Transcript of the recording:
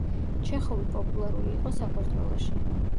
ჩეხოვი პოპულარული იყო საქართველოში.